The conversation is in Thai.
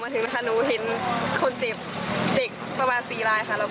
กูได้เห็นคนเจ็บเด็กประมาณ๔รายค่ะ